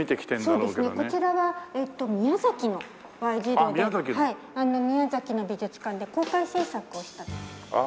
そうですねこちらは宮崎のＹ字路で宮崎の美術館で公開制作をしたんです。